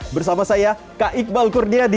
bersama saya kak iqbal kurnia di